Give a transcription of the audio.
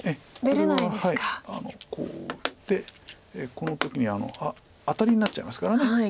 これはこう打ってこの時にアタリになっちゃいますから。